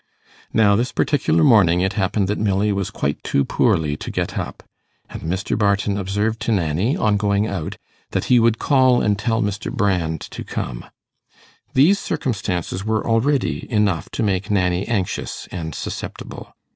Now this particular morning it happened that Milly was quite too poorly to get up, and Mr. Barton observed to Nanny, on going out, that he would call and tell Mr. Brand to come. These circumstances were already enough to make Nanny anxious and susceptible.